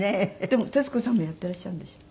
でも徹子さんもやっていらっしゃるんでしょ？